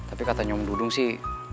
tapi kata nyum dudung sih